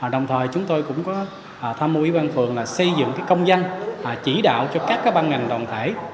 đồng thời chúng tôi cũng có tham mưu với bang phường xây dựng công danh chỉ đạo cho các bang ngành đồng thể